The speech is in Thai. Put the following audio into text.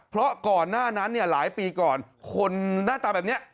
เพราะก่อนหน้านั้นเนี่ยหลายปีก่อนคนหน้าตาแบบนี้